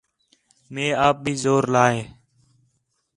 مَئے آپ بھی زور لا ہے